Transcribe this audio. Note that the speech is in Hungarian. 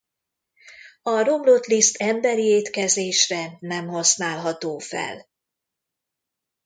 A romlott liszt emberi étkezésre nem használható fel!